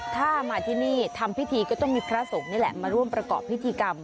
ถ้ามาที่นี่ทำพิธีก็ต้องมีพระสงฆ์นี่แหละมาร่วมประกอบพิธีกรรม